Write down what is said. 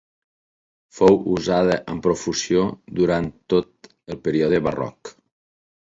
Fou usada amb profusió durant tot el període barroc.